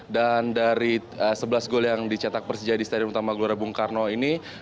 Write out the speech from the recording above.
dan dari sebelas gol yang dicetak persija di stadion utama gelora bung karno ini